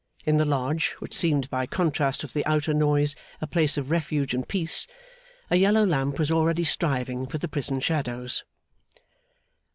In the Lodge, which seemed by contrast with the outer noise a place of refuge and peace, a yellow lamp was already striving with the prison shadows.